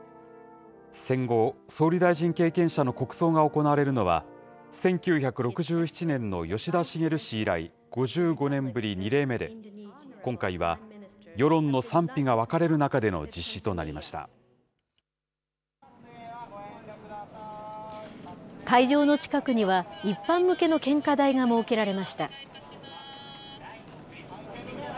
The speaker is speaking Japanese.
戦後総理大臣経験者の国葬が行われるのは、１９６７年の吉田茂氏以来、５５年ぶり２例目で、今回は世論の賛否が分かれる中での実会場の近くには、一般向けの献花台が設けられました。